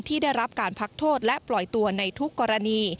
ที่ได้รับการพักโทษและปล่อยตัวในทุกกรณี